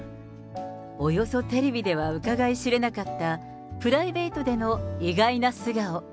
およそテレビではうかがいしれなかったプライベートでの意外な素顔。